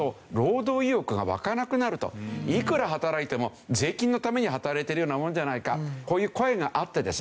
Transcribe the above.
いくら働いても税金のために働いてるようなもんじゃないかこういう声があってですね